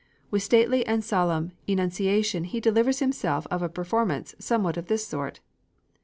With stately and solemn enunciation he delivers himself of a performance somewhat of this sort.